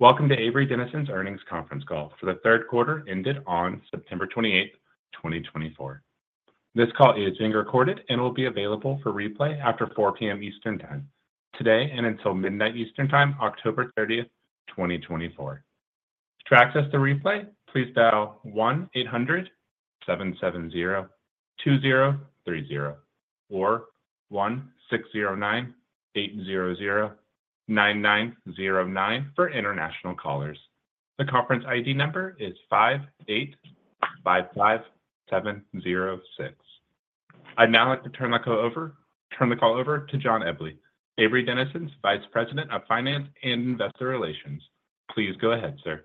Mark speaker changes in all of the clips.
Speaker 1: Welcome to Avery Dennison's Earnings Conference Call for the third quarter ended on September 28, 2024. This call is being recorded and will be available for replay after 4 P.M. Eastern Time today and until midnight Eastern Time, October 30th, 2024. To access the replay, please dial 1-800-770-2030 or 1-609-800-9990 for international callers. The conference ID number is 585-5706. I'd now like to turn the call over to John Eble, Avery Dennison's Vice President of Finance and Investor Relations. Please go ahead, sir.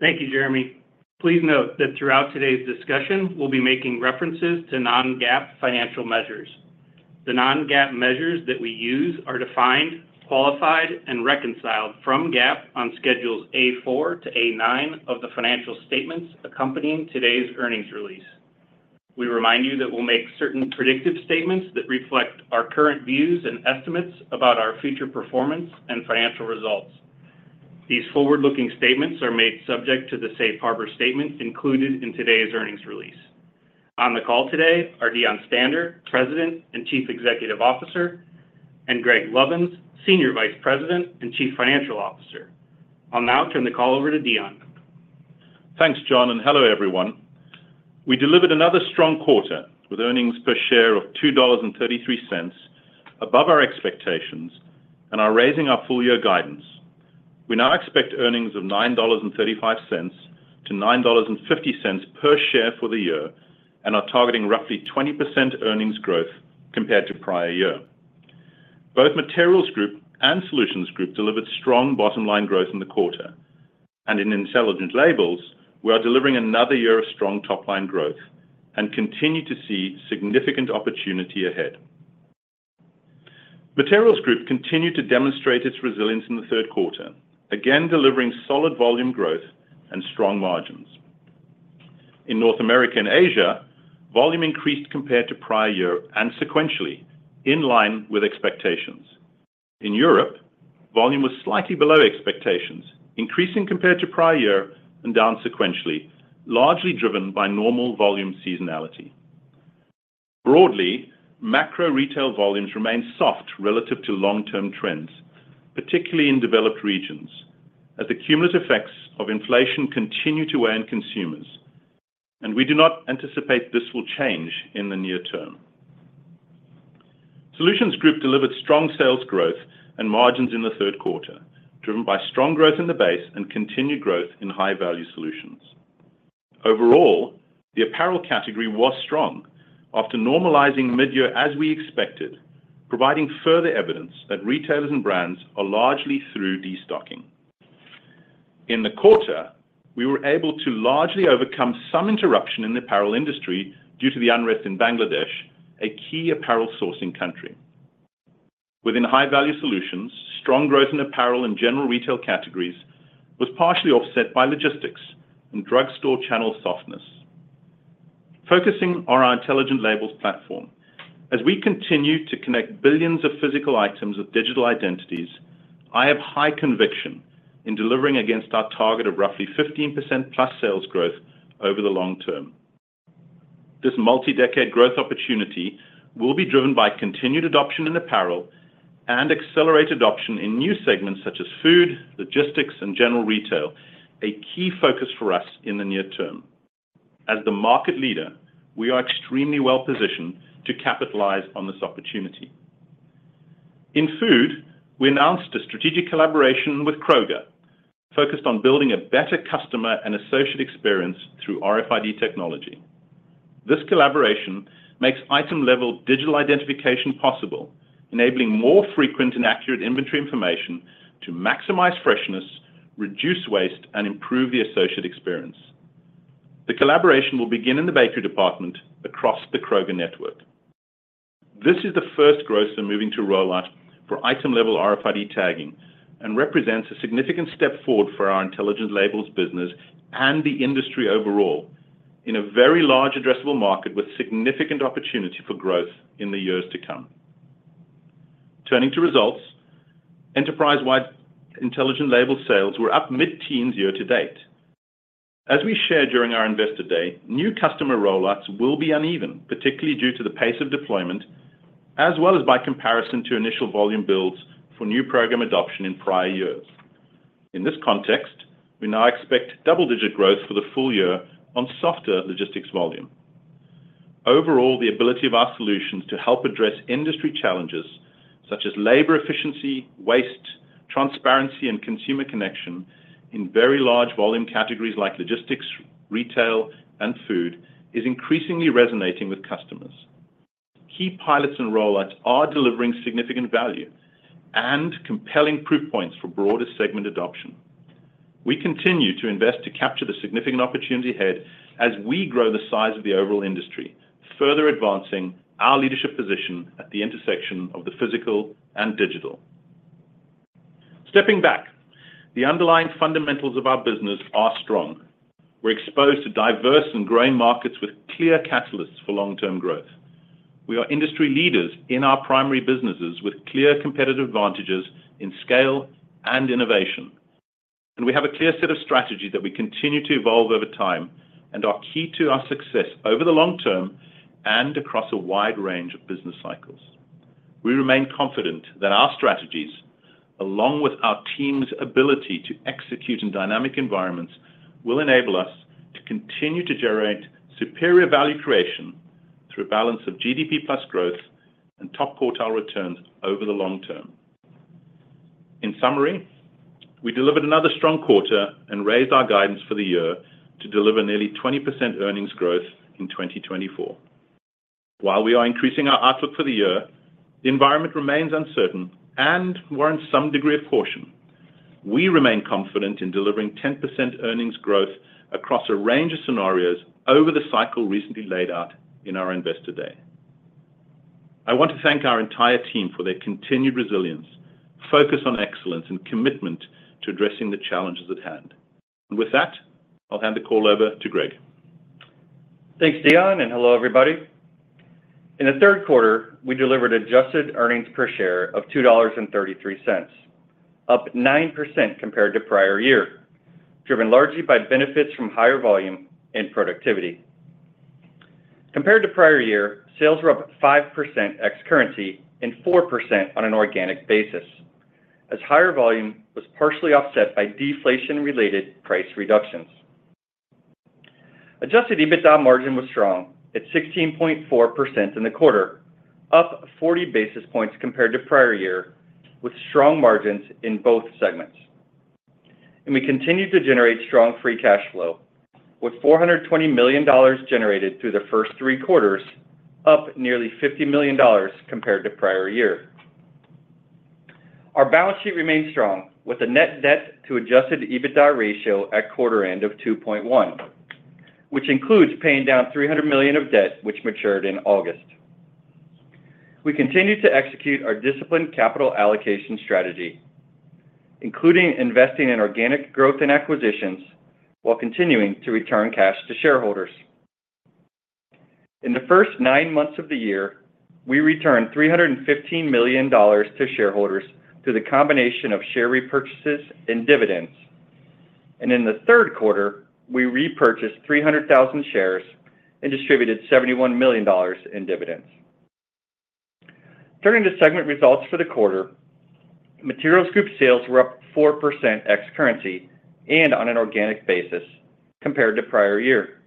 Speaker 2: Thank you, Jeremy. Please note that throughout today's discussion, we'll be making references to non-GAAP financial measures. The non-GAAP measures that we use are defined, qualified, and reconciled from GAAP on Schedules A-4 to A-9 of the financial statements accompanying today's earnings release. We remind you that we'll make certain predictive statements that reflect our current views and estimates about our future performance and financial results. These forward-looking statements are made subject to the safe harbor statement included in today's earnings release. On the call today are Deon Stander, President and Chief Executive Officer, and Greg Lovins, Senior Vice President and Chief Financial Officer. I'll now turn the call over to Deon.
Speaker 3: Thanks, John, and hello, everyone. We delivered another strong quarter with earnings per share of $2.33 above our expectations and are raising our full year guidance. We now expect earnings of $9.35 to $9.50 per share for the year and are targeting roughly 20% earnings growth compared to prior year. Both Materials Group and Solutions Group delivered strong bottom line growth in the quarter, and in Intelligent Labels, we are delivering another year of strong top-line growth and continue to see significant opportunity ahead. Materials Group continued to demonstrate its resilience in the third quarter, again, delivering solid volume growth and strong margins. In North America and Asia, volume increased compared to prior year and sequentially in line with expectations. In Europe, volume was slightly below expectations, increasing compared to prior year and down sequentially, largely driven by normal volume seasonality. Broadly, macro retail volumes remain soft relative to long-term trends, particularly in developed regions, as the cumulative effects of inflation continue to weigh on consumers, and we do not anticipate this will change in the near term. Solutions Group delivered strong sales growth and margins in the third quarter, driven by strong growth in the base and continued growth in high-value solutions. Overall, the apparel category was strong after normalizing mid-year, as we expected, providing further evidence that retailers and brands are largely through destocking. In the quarter, we were able to largely overcome some interruption in the apparel industry due to the unrest in Bangladesh, a key apparel sourcing country. Within high-value solutions, strong growth in apparel and general retail categories was partially offset by logistics and drugstore channel softness. Focusing on our Intelligent Labels platform, as we continue to connect billions of physical items with digital identities, I have high conviction in delivering against our target of roughly 15%+ sales growth over the long term. This multi-decade growth opportunity will be driven by continued adoption in apparel and accelerated adoption in new segments such as food, logistics, and general retail, a key focus for us in the near term. As the market leader, we are extremely well positioned to capitalize on this opportunity. In food, we announced a strategic collaboration with Kroger, focused on building a better customer and associate experience through RFID technology. This collaboration makes item-level digital identification possible, enabling more frequent and accurate inventory information to maximize freshness, reduce waste, and improve the associate experience. The collaboration will begin in the bakery department across the Kroger network. This is the first grocer moving to rollout for item-level RFID tagging and represents a significant step forward for our Intelligent Labels business and the industry overall in a very large addressable market with significant opportunity for growth in the years to come. Turning to results, enterprise-wide Intelligent Label sales were up mid-teens year to date. As we shared during our Investor Day, new customer rollouts will be uneven, particularly due to the pace of deployment, as well as by comparison to initial volume builds for new program adoption in prior years. In this context, we now expect double-digit growth for the full year on softer logistics volume. Overall, the ability of our solutions to help address industry challenges such as labor efficiency, waste, transparency, and consumer connection in very large volume categories like logistics, retail, and food, is increasingly resonating with customers. Key pilots and rollouts are delivering significant value and compelling proof points for broader segment adoption. We continue to invest to capture the significant opportunity ahead as we grow the size of the overall industry, further advancing our leadership position at the intersection of the physical and digital. Stepping back, the underlying fundamentals of our business are strong. We're exposed to diverse and growing markets with clear catalysts for long-term growth.... We are industry leaders in our primary businesses, with clear competitive advantages in scale and innovation. We have a clear set of strategies that we continue to evolve over time and are key to our success over the long term and across a wide range of business cycles. We remain confident that our strategies, along with our team's ability to execute in dynamic environments, will enable us to continue to generate superior value creation through a balance of GDP plus growth and top-quartile returns over the long term. In summary, we delivered another strong quarter and raised our guidance for the year to deliver nearly 20% earnings growth in 2024. While we are increasing our outlook for the year, the environment remains uncertain, and we're in some degree of caution. We remain confident in delivering 10% earnings growth across a range of scenarios over the cycle recently laid out in our Investor Day. I want to thank our entire team for their continued resilience, focus on excellence, and commitment to addressing the challenges at hand, and with that, I'll hand the call over to Greg.
Speaker 4: Thanks, Deon, and hello, everybody. In the third quarter, we delivered adjusted earnings per share of $2.33, up 9% compared to prior year, driven largely by benefits from higher volume and productivity. Compared to prior year, sales were up 5% ex currency and 4% on an organic basis, as higher volume was partially offset by deflation-related price reductions. Adjusted EBITDA margin was strong at 16.4% in the quarter, up 40 basis points compared to prior year, with strong margins in both segments. We continued to generate strong free cash flow, with $420 million generated through the first three quarters, up nearly $50 million compared to prior year. Our balance sheet remains strong, with a net debt to adjusted EBITDA ratio at quarter end of 2.1, which includes paying down $300 million of debt, which matured in August. We continue to execute our disciplined capital allocation strategy, including investing in organic growth and acquisitions while continuing to return cash to shareholders. In the first nine months of the year, we returned $315 million to shareholders through the combination of share repurchases and dividends. And in the third quarter, we repurchased 300,000 shares and distributed $71 million in dividends. Turning to segment results for the quarter, Materials Group sales were up 4% ex currency and on an organic basis compared to prior year,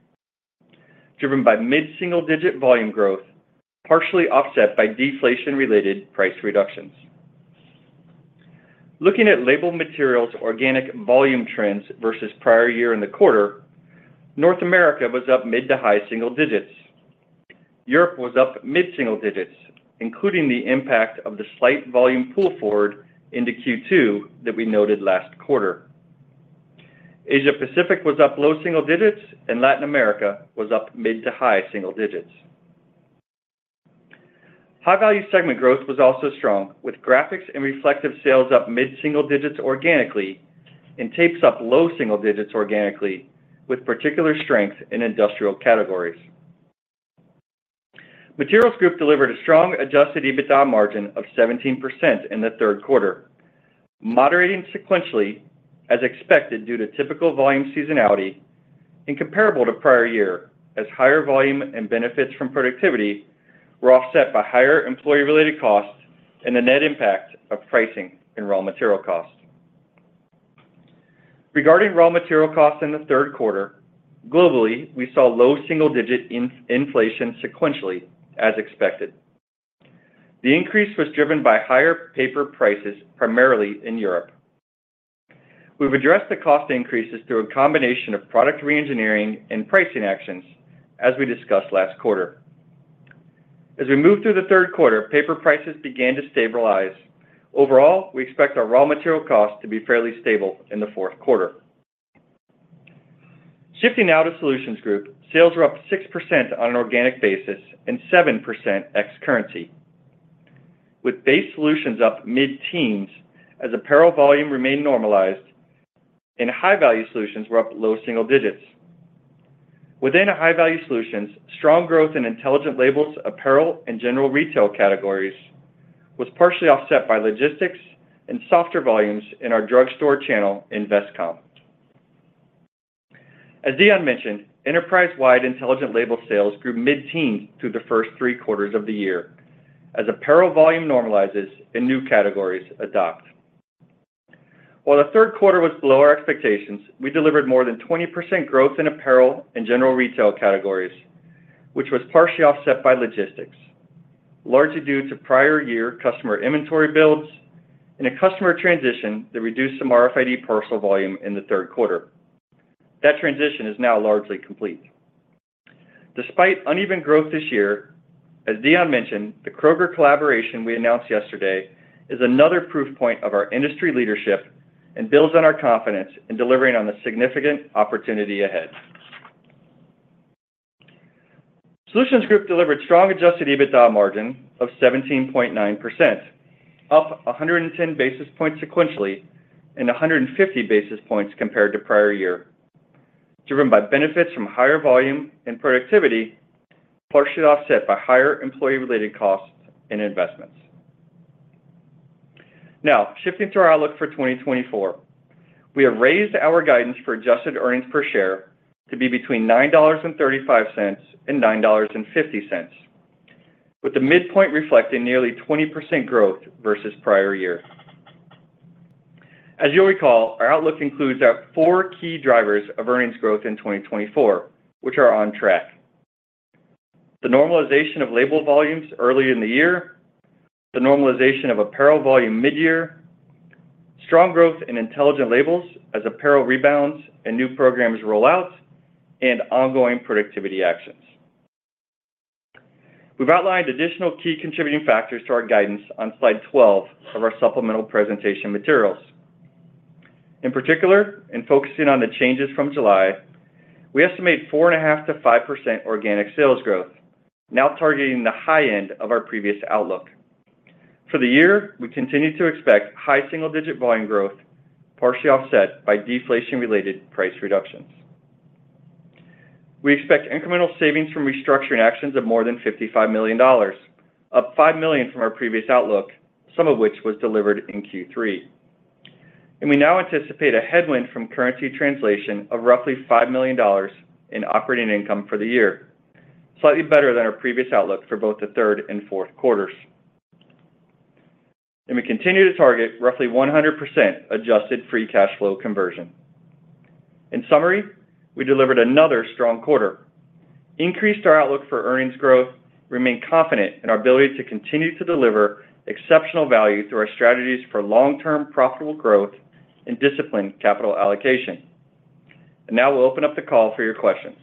Speaker 4: driven by mid-single-digit volume growth, partially offset by deflation-related price reductions. Looking at Label Materials organic volume trends versus prior year in the quarter, North America was up mid to high single digits. Europe was up mid-single digits, including the impact of the slight volume pull forward into Q2 that we noted last quarter. Asia Pacific was up low single digits, and Latin America was up mid to high single digits. High-value segment growth was also strong, with Graphics and Reflectives sales up mid-single digits organically and Tapes up low single digits organically, with particular strength in industrial categories. Materials Group delivered a strong adjusted EBITDA margin of 17% in the third quarter, moderating sequentially as expected due to typical volume seasonality and comparable to prior year, as higher volume and benefits from productivity were offset by higher employee-related costs and the net impact of pricing and raw material costs. Regarding raw material costs in the third quarter, globally, we saw low single-digit inflation sequentially, as expected. The increase was driven by higher paper prices, primarily in Europe. We've addressed the cost increases through a combination of product reengineering and pricing actions, as we discussed last quarter. As we moved through the third quarter, paper prices began to stabilize. Overall, we expect our raw material costs to be fairly stable in the fourth quarter. Shifting now to Solutions Group, sales were up 6% on an organic basis and 7% ex currency, with base solutions up mid-teens as apparel volume remained normalized and high-value solutions were up low single digits. Within our high-value solutions, strong growth in Intelligent Labels, apparel, and general retail categories was partially offset by logistics and softer volumes in our drugstore channel in Vestcom. As Deon mentioned, enterprise-wide Intelligent Labels sales grew mid-teens through the first three quarters of the year as apparel volume normalizes and new categories adopt. While the third quarter was below our expectations, we delivered more than 20% growth in apparel and general retail categories, which was partially offset by logistics, largely due to prior year customer inventory builds and a customer transition that reduced some RFID parcel volume in the third quarter. That transition is now largely complete. Despite uneven growth this year, as Deon mentioned, the Kroger collaboration we announced yesterday is another proof point of our industry leadership and builds on our confidence in delivering on the significant opportunity ahead. Solutions Group delivered strong adjusted EBITDA margin of 17.9%, up 110 basis points sequentially and 150 basis points compared to prior year. Driven by benefits from higher volume and productivity, partially offset by higher employee-related costs and investments. Now, shifting to our outlook for 2024. We have raised our guidance for adjusted earnings per share to be between $9.35 and $9.50, with the midpoint reflecting nearly 20% growth versus prior year. As you'll recall, our outlook includes our four key drivers of earnings growth in 2024, which are on track. The normalization of label volumes early in the year, the normalization of apparel volume mid-year, strong growth in Intelligent Labels as apparel rebounds and new programs roll out, and ongoing productivity actions. We've outlined additional key contributing factors to our guidance on slide 12 of our supplemental presentation materials. In particular, in focusing on the changes from July, we estimate 4.5%-5% organic sales growth, now targeting the high end of our previous outlook. For the year, we continue to expect high single-digit volume growth, partially offset by deflation-related price reductions. We expect incremental savings from restructuring actions of more than $55 million, up $5 million from our previous outlook, some of which was delivered in Q3. And we now anticipate a headwind from currency translation of roughly $5 million in operating income for the year, slightly better than our previous outlook for both the third and fourth quarters. And we continue to target roughly 100% adjusted free cash flow conversion. In summary, we delivered another strong quarter, increased our outlook for earnings growth, remain confident in our ability to continue to deliver exceptional value through our strategies for long-term profitable growth and disciplined capital allocation, and now we'll open up the call for your questions.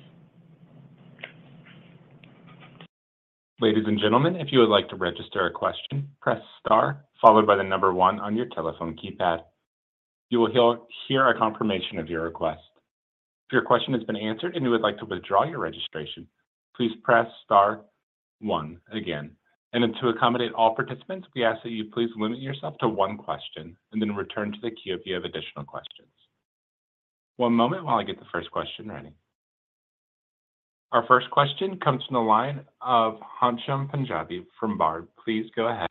Speaker 1: Ladies and gentlemen, if you would like to register a question, press star followed by the number one on your telephone keypad. You will hear a confirmation of your request. If your question has been answered and you would like to withdraw your registration, please press star one again. And then to accommodate all participants, we ask that you please limit yourself to one question and then return to the queue if you have additional questions. One moment while I get the first question ready. Our first question comes from the line of Ghansham Panjabi from Baird. Please go ahead.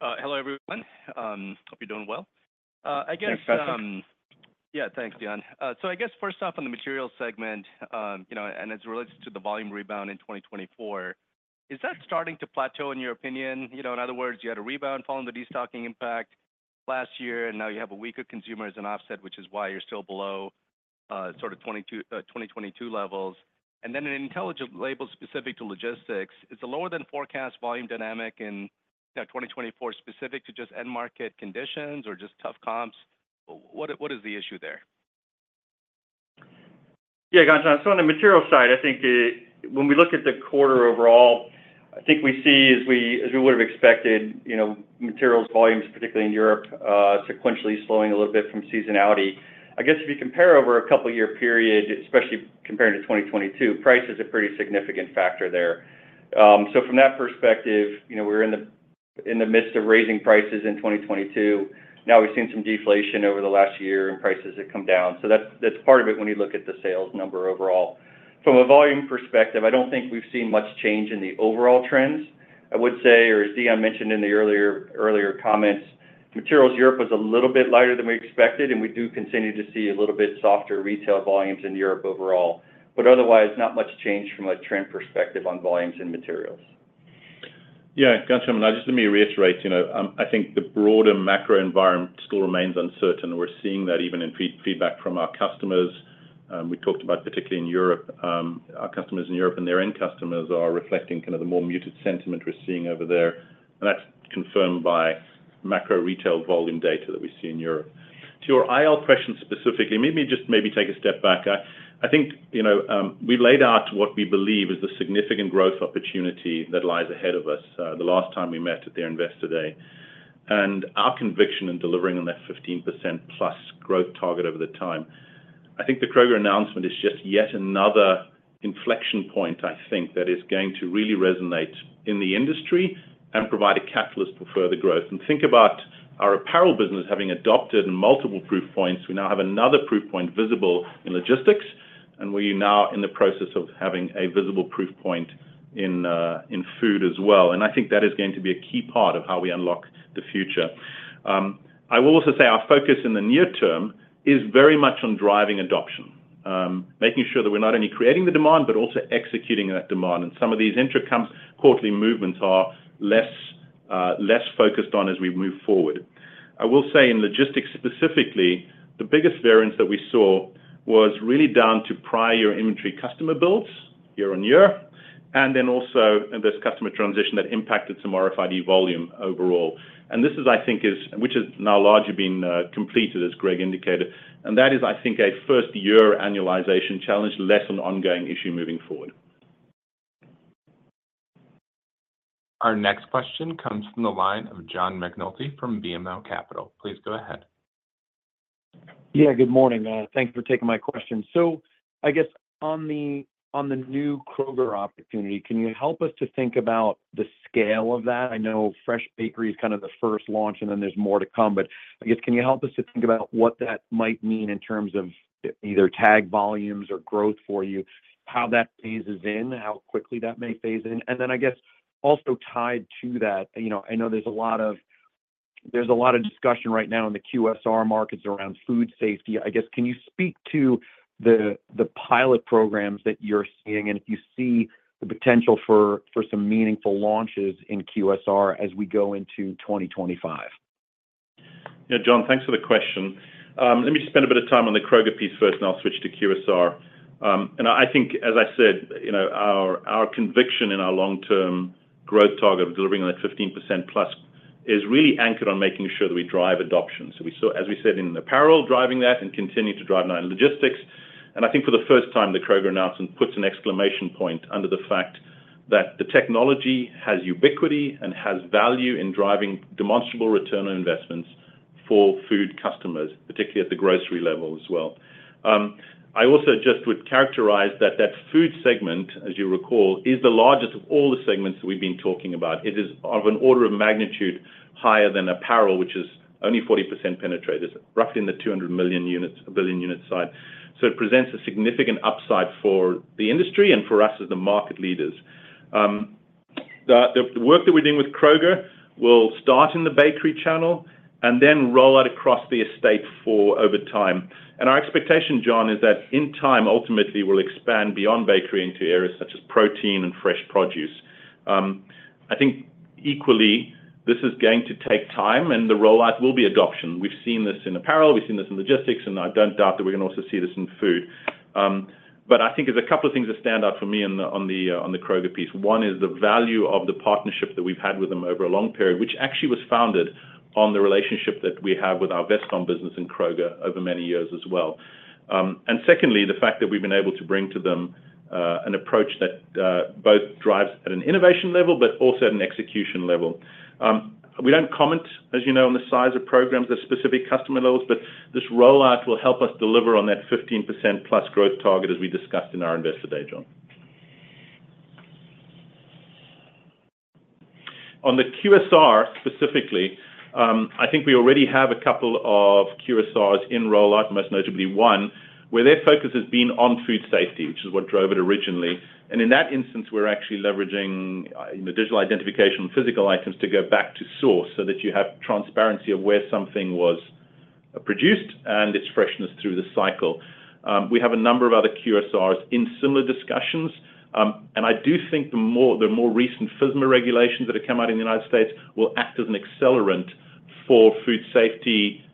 Speaker 5: Hello, everyone. Hope you're doing well. I guess,
Speaker 4: Thanks, Ghansham.
Speaker 5: Yeah, thanks, Deon. So I guess first off, on the materials segment, you know, and as it relates to the volume rebound in 2024, is that starting to plateau in your opinion? You know, in other words, you had a rebound following the destocking impact last year, and now you have a weaker consumer as an offset, which is why you're still below, sort of 2022 levels. And then on Intelligent Label specific to logistics, is the lower than forecast volume dynamic in 2024 specific to just end market conditions or just tough comps? What, what is the issue there?
Speaker 4: Yeah, Ghansham. So on the materials side, I think, when we look at the quarter overall, I think we see as we, as we would have expected, you know, materials volumes, particularly in Europe, sequentially slowing a little bit from seasonality. I guess if you compare over a couple of year period, especially comparing to 2022, price is a pretty significant factor there. So from that perspective, you know, we're in the, in the midst of raising prices in 2022. Now, we've seen some deflation over the last year and prices have come down. So that's, that's part of it when you look at the sales number overall. From a volume perspective, I don't think we've seen much change in the overall trends. I would say, or as Deon mentioned in the earlier comments, materials, Europe was a little bit lighter than we expected, and we do continue to see a little bit softer retail volumes in Europe overall, but otherwise, not much change from a trend perspective on volumes and materials.
Speaker 3: Yeah, Ghansham, now just let me reiterate, you know, I think the broader macro environment still remains uncertain. We're seeing that even in feedback from our customers. We talked about, particularly in Europe, our customers in Europe and their end customers are reflecting kind of the more muted sentiment we're seeing over there, and that's confirmed by macro retail volume data that we see in Europe. To your IL question, specifically, maybe take a step back. I think, you know, we've laid out what we believe is the significant growth opportunity that lies ahead of us, the last time we met at the Investor Day, and our conviction in delivering on that 15% plus growth target over the time. I think the Kroger announcement is just yet another inflection point, I think, that is going to really resonate in the industry and provide a catalyst for further growth. And think about our apparel business having adopted multiple proof points. We now have another proof point visible in logistics, and we are now in the process of having a visible proof point in food as well. And I think that is going to be a key part of how we unlock the future. I will also say our focus in the near term is very much on driving adoption, making sure that we're not only creating the demand, but also executing that demand. And some of these in terms of quarterly movements are less focused on as we move forward. I will say in logistics specifically, the biggest variance that we saw was really down to prior inventory customer builds year on year, and then also this customer transition that impacted some RFID volume overall. And this is, I think, which has now largely been completed, as Greg indicated, and that is, I think, a first-year annualization challenge, less an ongoing issue moving forward.
Speaker 1: Our next question comes from the line of John McNulty from BMO Capital. Please go ahead.
Speaker 6: Yeah, good morning. Thanks for taking my question. So... I guess on the, on the new Kroger opportunity, can you help us to think about the scale of that? I know fresh bakery is kind of the first launch, and then there's more to come, but I guess, can you help us to think about what that might mean in terms of either tag volumes or growth for you? How that phases in, how quickly that may phase in? And then I guess also tied to that, you know, I know there's a lot of, there's a lot of discussion right now in the QSR markets around food safety. I guess, can you speak to the, the pilot programs that you're seeing, and if you see the potential for, for some meaningful launches in QSR as we go into 2025?
Speaker 3: Yeah, John, thanks for the question. Let me just spend a bit of time on the Kroger piece first, and I'll switch to QSR. And I think as I said, you know, our conviction in our long-term growth target of delivering on that 15% plus is really anchored on making sure that we drive adoption. So we saw, as we said, in apparel, driving that and continue to drive now in logistics, and I think for the first time, the Kroger announcement puts an exclamation point under the fact that the technology has ubiquity and has value in driving demonstrable return on investments for food customers, particularly at the grocery level as well. I also just would characterize that food segment, as you recall, is the largest of all the segments we've been talking about. It is of an order of magnitude higher than apparel, which is only 40% penetrated, roughly in the 200 million units, a billion-unit size. So it presents a significant upside for the industry and for us as the market leaders. The work that we're doing with Kroger will start in the bakery channel and then roll out across the estate over time. And our expectation, John, is that in time, ultimately, we'll expand beyond bakery into areas such as protein and fresh produce. I think equally, this is going to take time, and the rollout will be adoption. We've seen this in apparel, we've seen this in logistics, and I don't doubt that we're going to also see this in food. But I think there's a couple of things that stand out for me on the Kroger piece. One is the value of the partnership that we've had with them over a long period, which actually was founded on the relationship that we have with our Vestcom business in Kroger over many years as well. And secondly, the fact that we've been able to bring to them an approach that both drives at an innovation level, but also at an execution level. We don't comment, as you know, on the size of programs at specific customer levels, but this rollout will help us deliver on that 15%+ growth target, as we discussed in our Investor Day, John. On the QSR specifically, I think we already have a couple of QSRs in roll-out, most notably one, where their focus has been on food safety, which is what drove it originally, and in that instance, we're actually leveraging, you know, digital identification and physical items to go back to source, so that you have transparency of where something was produced and its freshness through the cycle. We have a number of other QSRs in similar discussions, and I do think the more recent FSMA regulations that have come out in the United States will act as an accelerant for food safety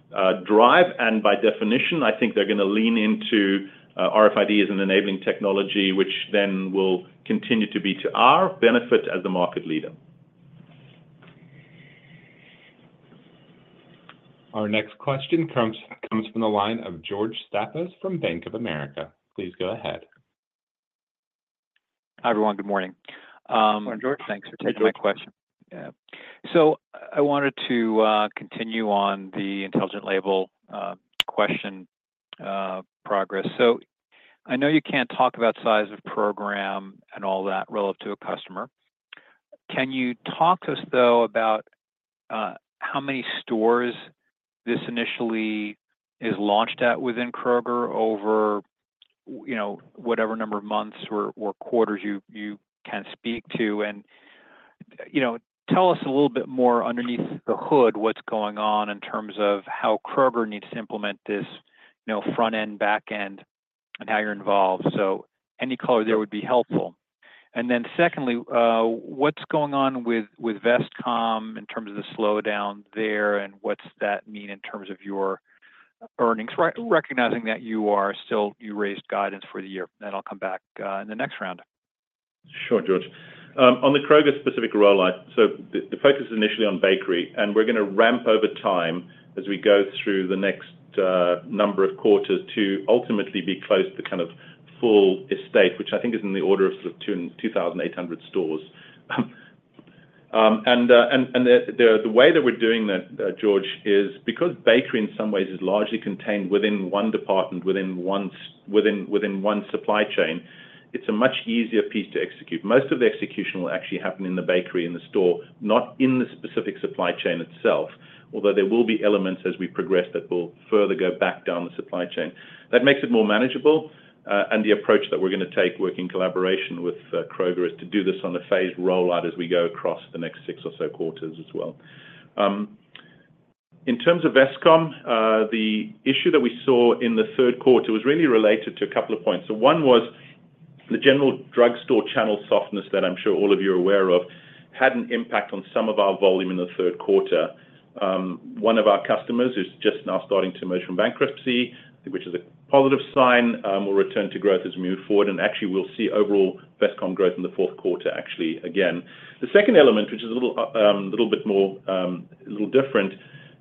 Speaker 3: drive, and by definition, I think they're going to lean into RFID as an enabling technology, which then will continue to be to our benefit as the market leader.
Speaker 1: Our next question comes from the line of George Staphos from Bank of America. Please go ahead.
Speaker 7: Hi, everyone. Good morning.
Speaker 3: Good morning, George.
Speaker 7: Thanks for taking my question. Yeah. So I wanted to continue on the Intelligent Labels question progress. So I know you can't talk about size of program and all that relative to a customer. Can you talk to us, though, about how many stores this initially is launched at within Kroger over, you know, whatever number of months or quarters you can speak to? And, you know, tell us a little bit more underneath the hood, what's going on in terms of how Kroger needs to implement this, you know, front end, back end, and how you're involved. So any color there would be helpful. And then secondly, what's going on with Vestcom in terms of the slowdown there, and what's that mean in terms of your earnings, re-recognizing that you are still you raised guidance for the year? Then I'll come back in the next round.
Speaker 3: Sure, George. On the Kroger-specific rollout, so the focus is initially on bakery, and we're going to ramp over time as we go through the next number of quarters to ultimately be close to kind of full estate, which I think is in the order of sort of two thousand eight hundred stores. And the way that we're doing that, George, is because bakery in some ways is largely contained within one department, within one supply chain, it's a much easier piece to execute. Most of the execution will actually happen in the bakery, in the store, not in the specific supply chain itself, although there will be elements as we progress that will further go back down the supply chain. That makes it more manageable, and the approach that we're going to take, work in collaboration with, Kroger, is to do this on a phased rollout as we go across the next six or so quarters as well. In terms of Vestcom, the issue that we saw in the third quarter was really related to a couple of points. So one was the general drugstore channel softness that I'm sure all of you are aware of, had an impact on some of our volume in the third quarter. One of our customers is just now starting to emerge from bankruptcy, which is a positive sign, will return to growth as we move forward and actually we'll see overall Vestcom growth in the fourth quarter, actually, again. The second element, which is a little bit more different,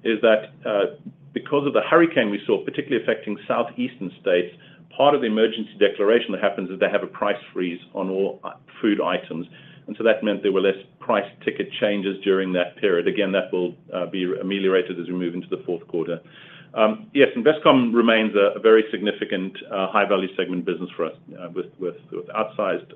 Speaker 3: is that, because of the hurricane we saw, particularly affecting southeastern states, part of the emergency declaration that happens is they have a price freeze on all food items, and so that meant there were less price ticket changes during that period. Again, that will be ameliorated as we move into the fourth quarter. Yes, Vestcom remains a very significant high-value segment business for us, with outsized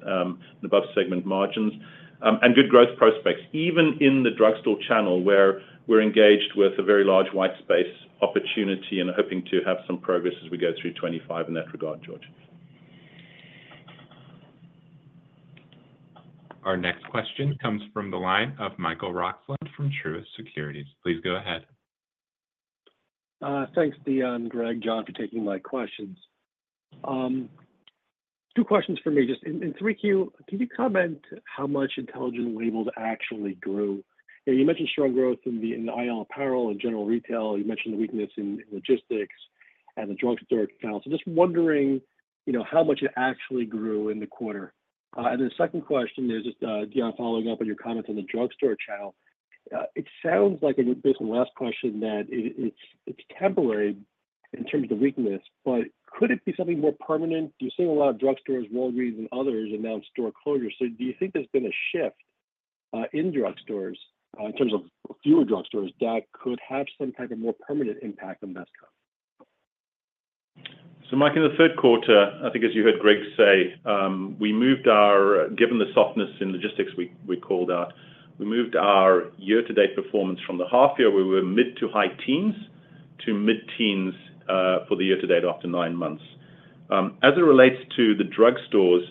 Speaker 3: above segment margins, and good growth prospects, even in the drugstore channel, where we're engaged with a very large white space opportunity and hoping to have some progress as we go through 2025 in that regard, George.
Speaker 1: Our next question comes from the line of Michael Roxland from Truist Securities. Please go ahead.
Speaker 8: Thanks, Deon, Greg, John, for taking my questions. Two questions for me. Just in 3Q, can you comment how much Intelligent Labels actually grew? And you mentioned strong growth in the IL apparel and general retail. You mentioned the weakness in logistics and the drugstore account. So just wondering, you know, how much it actually grew in the quarter. And the second question is just, Deon, following up on your comments on the drugstore channel. It sounds like in this last question, that it's temporary in terms of weakness, but could it be something more permanent? You're seeing a lot of drugstores, Walgreens and others, announce store closures. So do you think there's been a shift in drugstores in terms of fewer drugstores that could have some type of more permanent impact on Vestcom?
Speaker 3: So, Mike, in the third quarter, I think as you heard Greg say, given the softness in logistics we called out, we moved our year-to-date performance from the half year. We were mid to high teens, to mid-teens, for the year to date after nine months. As it relates to the drugstores,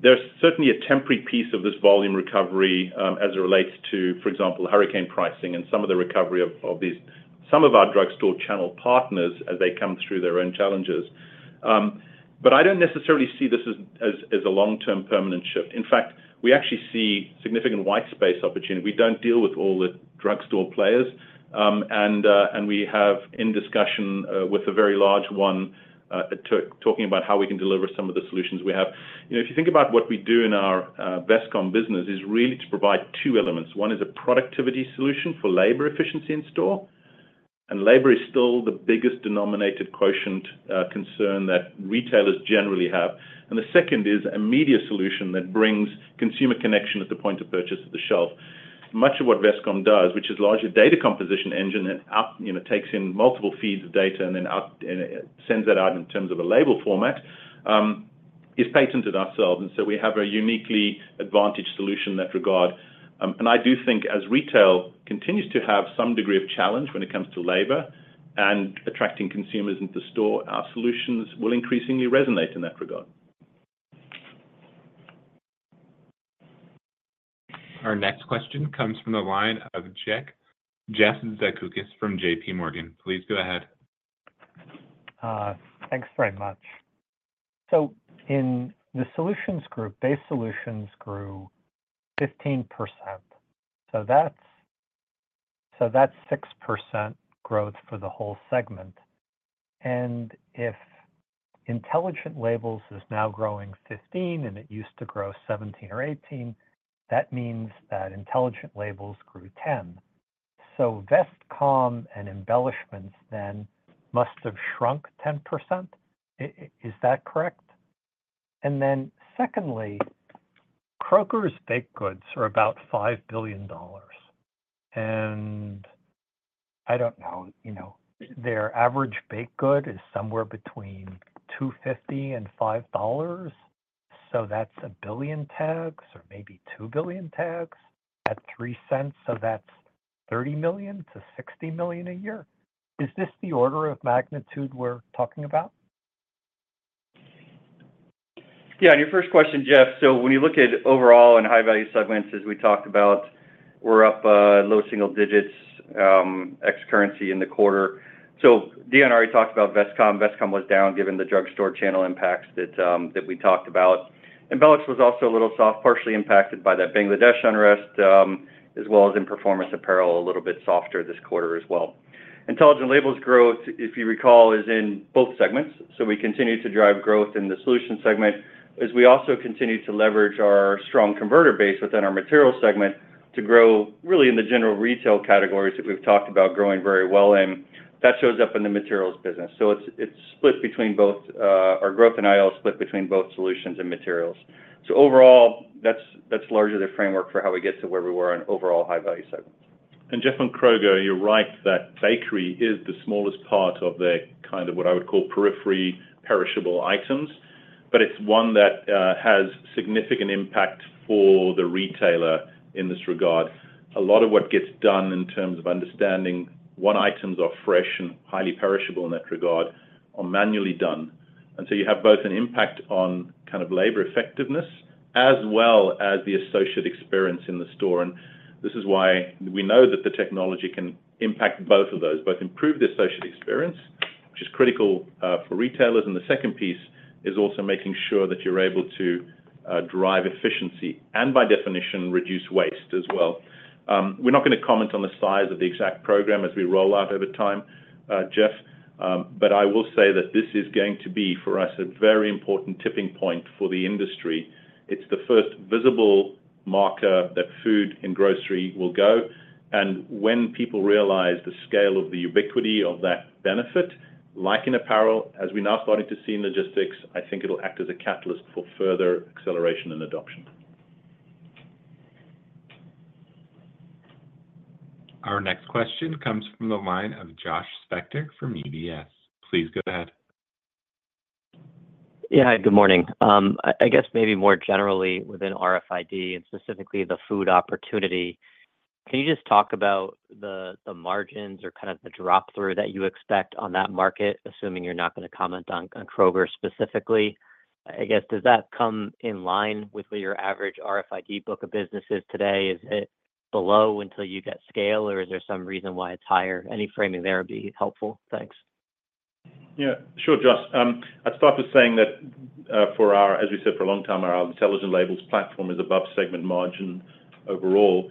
Speaker 3: there's certainly a temporary piece of this volume recovery, as it relates to, for example, hurricane pricing and some of the recovery of these some of our drugstore channel partners as they come through their own challenges. But I don't necessarily see this as a long-term permanent shift. In fact, we actually see significant white space opportunity. We don't deal with all the drugstore players. And we have in discussion with a very large one talking about how we can deliver some of the solutions we have. You know, if you think about what we do in our Vestcom business, is really to provide two elements. One is a productivity solution for labor efficiency in store, and labor is still the biggest denominated quotient concern that retailers generally have. And the second is a media solution that brings consumer connection at the point of purchase at the shelf. Much of what Vestcom does, which is largely a data composition engine, you know, takes in multiple feeds of data and then it sends that out in terms of a label format, is patented ourselves, and so we have a uniquely advantaged solution in that regard. And I do think as retail continues to have some degree of challenge when it comes to labor and attracting consumers into store, our solutions will increasingly resonate in that regard.
Speaker 1: Our next question comes from the line of Jeffrey Zekauskas from JPMorgan. Please go ahead.
Speaker 9: Thanks very much. So in the Solutions Group, base solutions grew 15%, so that's 6% growth for the whole segment. And if Intelligent Labels is now growing 15%, and it used to grow 17% or 18%, that means that Intelligent Labels grew 10%. So Vestcom and Embelex then must have shrunk 10%. Is that correct? And then secondly, Kroger's baked goods are about $5 billion, and I don't know, you know, their average baked good is somewhere between $2.50 and $5. So that's a billion tags or maybe two billion tags at $0.03, so that's $30 million-$60 million a year. Is this the order of magnitude we're talking about?
Speaker 4: Yeah, on your first question, Jeff, so when you look at overall and high-value segments, as we talked about, we're up, low single digits, ex currency in the quarter. So Deon already talked about Vestcom. Vestcom was down, given the drugstore channel impacts that we talked about. Embelex was also a little soft, partially impacted by that Bangladesh unrest, as well as in performance apparel, a little bit softer this quarter as well. Intelligent Labels growth, if you recall, is in both segments, so we continue to drive growth in the solutions segment as we also continue to leverage our strong converter base within our materials segment to grow really in the general retail categories that we've talked about growing very well in. That shows up in the materials business. So it's split between both our growth in IL, split between both solutions and materials. So overall, that's largely the framework for how we get to where we were on overall high-value segment.
Speaker 3: And Jeff, on Kroger, you're right that bakery is the smallest part of the, kind of what I would call, periphery perishable items, but it's one that has significant impact for the retailer in this regard. A lot of what gets done in terms of understanding what items are fresh and highly perishable in that regard are manually done. And so you have both an impact on kind of labor effectiveness, as well as the associate experience in the store. And this is why we know that the technology can impact both of those, both improve the associate experience, which is critical for retailers. And the second piece is also making sure that you're able to drive efficiency, and by definition, reduce waste as well.
Speaker 5: We're not going to comment on the size of the exact program as we roll out over time, Jeff, but I will say that this is going to be, for us, a very important tipping point for the industry. It's the first visible marker that food and grocery will go, and when people realize the scale of the ubiquity of that benefit, like in apparel, as we're now starting to see in logistics, I think it'll act as a catalyst for further acceleration and adoption.
Speaker 1: Our next question comes from the line of Josh Spector from UBS. Please go ahead.
Speaker 10: Yeah, good morning. I guess maybe more generally within RFID, and specifically the food opportunity, can you just talk about the margins or kind of the drop through that you expect on that market, assuming you're not gonna comment on Kroger specifically? I guess, does that come in line with what your average RFID book of business is today? Is it below until you get scale, or is there some reason why it's higher? Any framing there would be helpful. Thanks.
Speaker 3: Yeah, sure, Josh. I'd start with saying that, as we said, for a long time, our Intelligent Labels platform is above segment margin overall,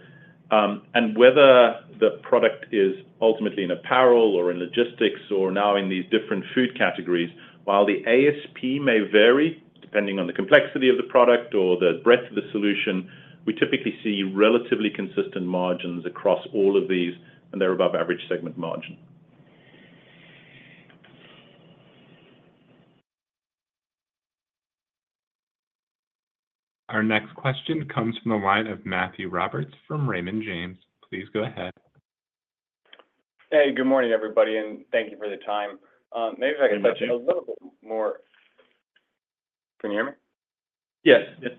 Speaker 3: and whether the product is ultimately in apparel or in logistics or now in these different food categories, while the ASP may vary, depending on the complexity of the product or the breadth of the solution, we typically see relatively consistent margins across all of these, and they're above average segment margin.
Speaker 1: Our next question comes from the line of Matthew Roberts from Raymond James. Please go ahead.
Speaker 11: Hey, good morning, everybody, and thank you for the time. Maybe if I could-
Speaker 3: Hey, Matthew...
Speaker 11: touch a little bit more. Can you hear me?
Speaker 3: Yes. Yes.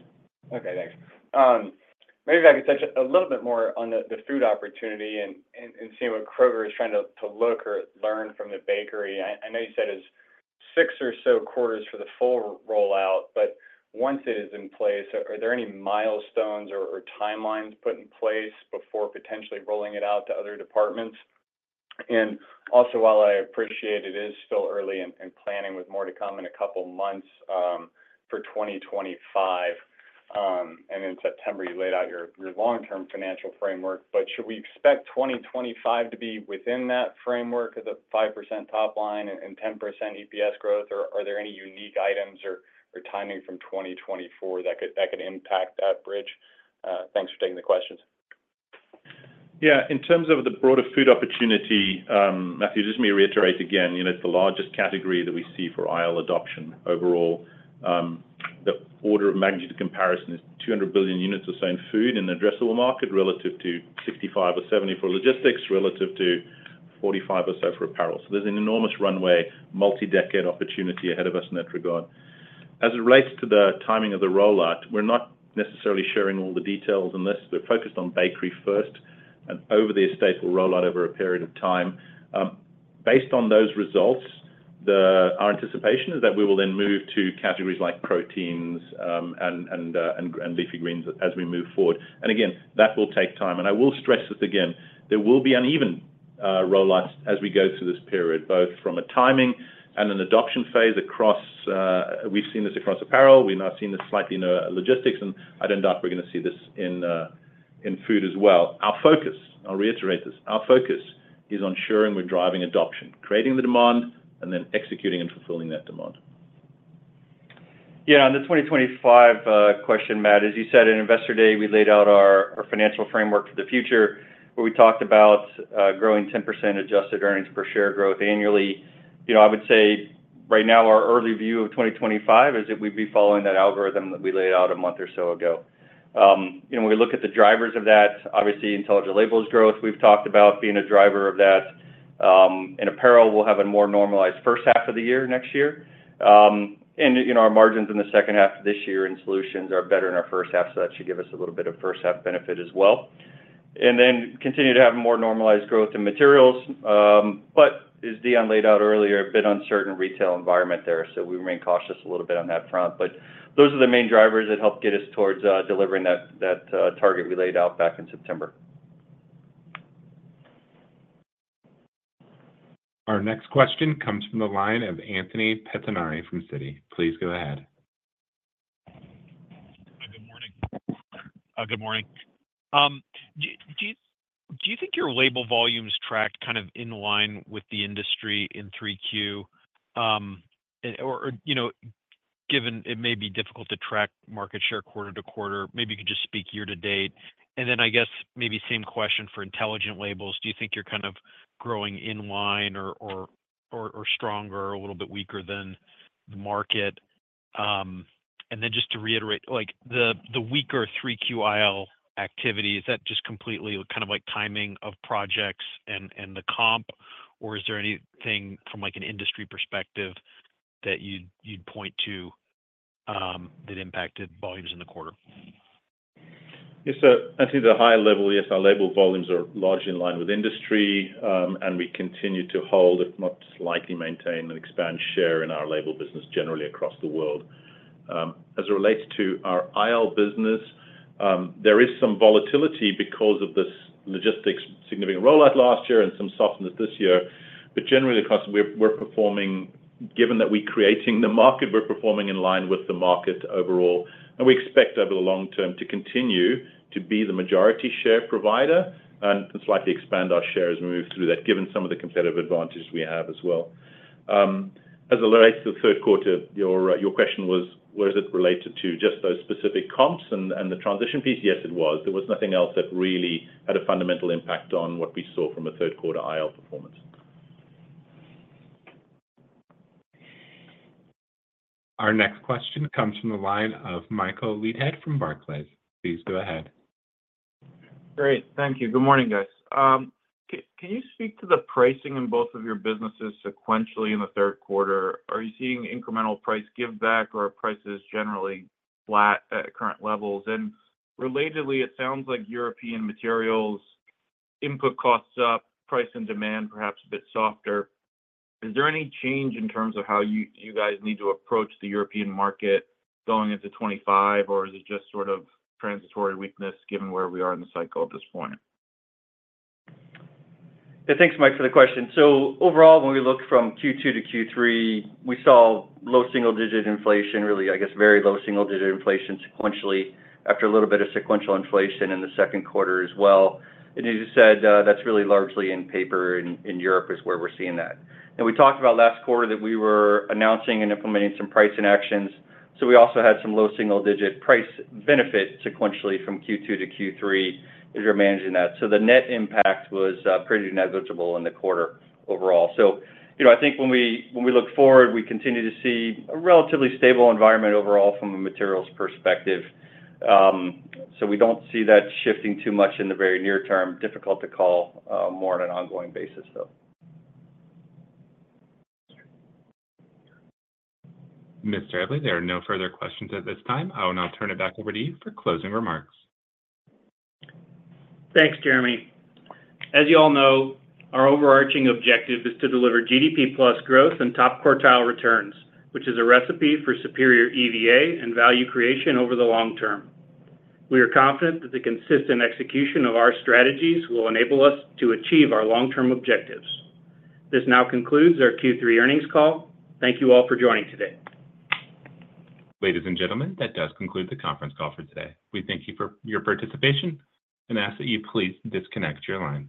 Speaker 11: Okay, thanks. Maybe if I could touch a little bit more on the food opportunity and see what Kroger is trying to look or learn from the bakery. I know you said it's six or so quarters for the full rollout, but once it is in place, are there any milestones or timelines put in place before potentially rolling it out to other departments? And also, while I appreciate it is still early in planning with more to come in a couple months, for 2025, and in September, you laid out your long-term financial framework, but should we expect 2025 to be within that framework of the 5% top line and 10% EPS growth, or are there any unique items or timing from 2024 that could impact that bridge? Thanks for taking the questions.
Speaker 3: Yeah. In terms of the broader food opportunity, Matthew, just let me reiterate again, you know, it's the largest category that we see for RFID adoption overall. The order of magnitude comparison is 200 billion units of canned food in an addressable market relative to 65 or 70 for logistics, relative to 45 or so for apparel. So there's an enormous runway, multi-decade opportunity ahead of us in that regard. As it relates to the timing of the rollout, we're not necessarily sharing all the details unless we're focused on bakery first, and over the estate, we'll roll out over a period of time. Based on those results, our anticipation is that we will then move to categories like proteins, and leafy greens as we move forward. And again, that will take time. And I will stress this again, there will be uneven rollouts as we go through this period, both from a timing and an adoption phase across... We've seen this across apparel, we've now seen this slightly in logistics, and I'd end up we're gonna see this in food as well. Our focus, I'll reiterate this, our focus is on ensuring we're driving adoption, creating the demand, and then executing and fulfilling that demand.
Speaker 4: Yeah, on the 2025 question, Matt, as you said, in Investor Day, we laid out our financial framework for the future, where we talked about growing 10% adjusted earnings per share growth annually. You know, I would say right now, our early view of twenty twenty-five is that we'd be following that algorithm that we laid out a month or so ago. You know, when we look at the drivers of that, obviously, Intelligent Labels growth, we've talked about being a driver of that. In apparel, we'll have a more normalized first half of the year next year. And, you know, our margins in the second half of this year in solutions are better than our first half, so that should give us a little bit of first half benefit as well. And then continue to have more normalized growth in materials, but as Deon laid out earlier, a bit uncertain retail environment there, so we remain cautious a little bit on that front. But those are the main drivers that help get us towards delivering that target we laid out back in September.
Speaker 1: Our next question comes from the line of Anthony Pettinari from Citi. Please go ahead.
Speaker 12: Hi, good morning. Good morning. Do you think your label volumes tracked kind of in line with the industry in 3Q? Or, you know, given it may be difficult to track market share quarter to quarter, maybe you could just speak year to date. And then, I guess, maybe same question for Intelligent Labels. Do you think you're kind of growing in line or stronger, a little bit weaker than the market? And then just to reiterate, like, the weaker 3Q IL activity, is that just completely kind of, like, timing of projects and the comp, or is there anything from, like, an industry perspective that you'd point to that impacted volumes in the quarter?
Speaker 3: Yes, so I think the high level, yes, our label volumes are largely in line with industry, and we continue to hold, if not slightly maintain and expand share in our label business generally across the world. As it relates to our IL business, there is some volatility because of this logistics significant rollout last year and some softness this year, but generally, across, we're performing, given that we're creating the market, we're performing in line with the market overall, and we expect over the long term to continue to be the majority share provider and slightly expand our share as we move through that, given some of the competitive advantages we have as well. As it relates to the third quarter, your question was, was it related to just those specific comps and the transition piece? Yes, it was. There was nothing else that really had a fundamental impact on what we saw from a third quarter IL performance.
Speaker 1: Our next question comes from the line of Michael Leithead from Barclays. Please go ahead.
Speaker 13: Great. Thank you. Good morning, guys. Can you speak to the pricing in both of your businesses sequentially in the third quarter? Are you seeing incremental price give back, or are prices generally flat at current levels? And relatedly, it sounds like European materials input costs up, price and demand perhaps a bit softer. Is there any change in terms of how you, you guys need to approach the European market going into 2025, or is it just sort of transitory weakness given where we are in the cycle at this point?
Speaker 4: Yeah, thanks, Mike, for the question. So overall, when we look from Q2 to Q3, we saw low single-digit inflation, really, I guess, very low single-digit inflation sequentially, after a little bit of sequential inflation in the second quarter as well. And as you said, that's really largely in paper, in Europe is where we're seeing that. And we talked about last quarter that we were announcing and implementing some pricing actions. So we also had some low single-digit price benefit sequentially from Q2 to Q3 as we're managing that. So the net impact was pretty negligible in the quarter overall. So, you know, I think when we, when we look forward, we continue to see a relatively stable environment overall from a materials perspective. So we don't see that shifting too much in the very near term. Difficult to call more on an ongoing basis, though.
Speaker 1: Mr. Eble, there are no further questions at this time. I will now turn it back over to you for closing remarks.
Speaker 2: Thanks, Jeremy. As you all know, our overarching objective is to deliver GDP plus growth and top-quartile returns, which is a recipe for superior EVA and value creation over the long term. We are confident that the consistent execution of our strategies will enable us to achieve our long-term objectives. This now concludes our Q3 earnings call. Thank you all for joining today.
Speaker 1: Ladies and gentlemen, that does conclude the conference call for today. We thank you for your participation and ask that you please disconnect your lines.